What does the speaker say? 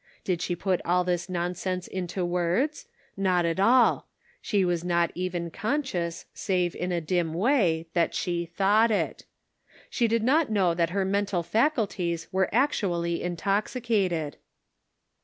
Did she put all this nonsense into words ? Not at all ; she was not even conscious, save in a dim way, that she thought it. She did not know that her mental faculties were actu ally intoxicated